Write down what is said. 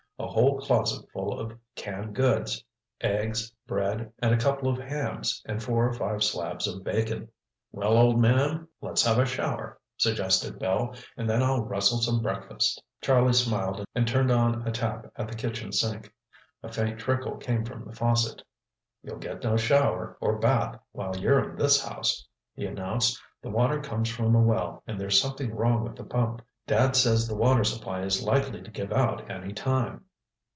A whole closet full of canned goods, eggs, bread and a couple of hams and four or five slabs of bacon. "Well, old man, let's have a shower," suggested Bill, "and then I'll rustle some breakfast." Charlie smiled and turned on a tap at the kitchen sink. A faint trickle came from the faucet. "You'll get no shower, or bath while you're in this house," he announced. "The water comes from a well and there's something wrong with the pump. Dad says the water supply is likely to give out any time."